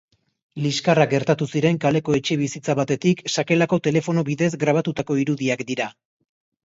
Liskarrak gertatu ziren kaleko etxebizitza batetik sakelako telefono bidez grabatutako irudiak dira.